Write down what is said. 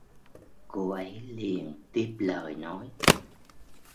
cô ấy liền tiếp lời nói